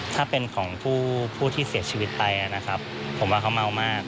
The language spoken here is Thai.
ถ้าเป็นของผู้ที่เสียชีวิตไปนะครับผมว่าเขาเมามาก